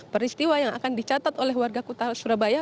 peristiwa yang akan dicatat oleh warga kota surabaya